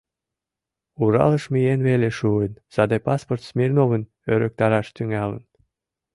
Уралыш миен веле шуын, саде паспорт Смирновым ӧрыктараш тӱҥалын.